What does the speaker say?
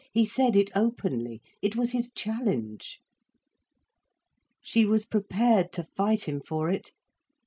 He said it openly. It was his challenge. She was prepared to fight him for it.